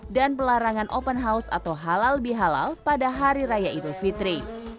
pelarangan open house atau halal bihalal pada hari raya idul fitri